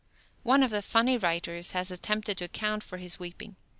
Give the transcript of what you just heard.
One of the funny writers has attempted to account for his weeping.